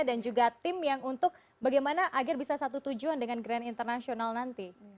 dan juga tim yang untuk bagaimana agar bisa satu tujuan dengan grand international nanti